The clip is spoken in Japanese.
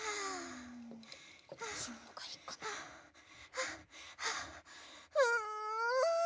はあはあん！